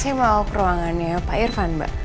saya mau ke ruangannya pak irfan mbak